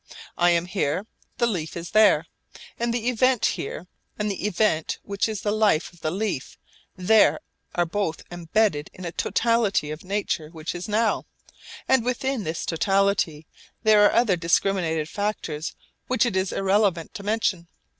I am here, the leaf is there; and the event here and the event which is the life of the leaf there are both embedded in a totality of nature which is now, and within this totality there are other discriminated factors which it is irrelevant to mention.